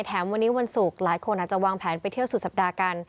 แถมวันนี้วันศุกร์หลายคนอาจจะวางแผนไปเที่ยวสุดสัปดาห์กัน